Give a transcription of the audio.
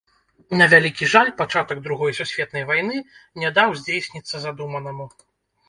На вялікі жаль, пачатак другой сусветнай вайны не даў здзейсніцца задуманаму.